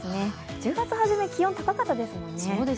１０月初め、気温、高かったですもんね。